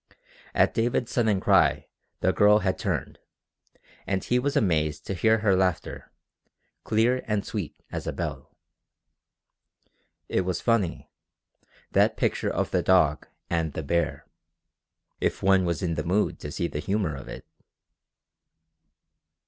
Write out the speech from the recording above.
At David's sudden cry the girl had turned, and he was amazed to hear her laughter, clear and sweet as a bell. It was funny, that picture of the dog and the bear, if one was in the mood to see the humour of it!